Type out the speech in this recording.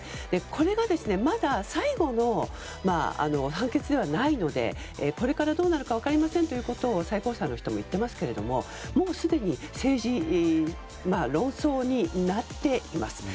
これがまだ最後の判決ではないのでこれからどうなるか分かりませんということを最高裁の人も言っていますがもうすでに政治論争になっています。